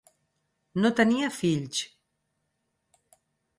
No tenia fills.